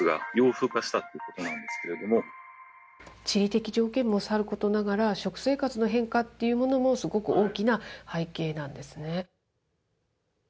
地理的条件もさることながら、食生活の変化っていうものもすごく大きな背景なんですね。